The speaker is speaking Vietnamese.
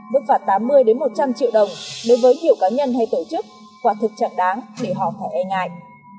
mức phạt tám mươi một trăm linh triệu đồng đối với hiệu cá nhân hay tổ chức quả thực chẳng đáng để họ phải e ngại